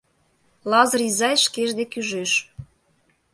Лазыр изай шкеж дек ӱжеш.